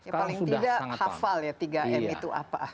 ya paling tidak hafal ya tiga m itu apa